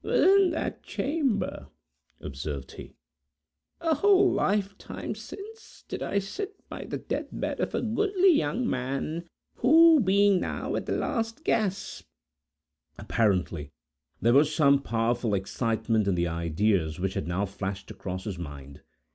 "Within that chamber," observed he, "a whole lifetime since, did I sit by the death bed of a goodly young man, who, being now at the last gasp—" Apparently, there was some powerful excitement in the ideas which had now flashed across his mind.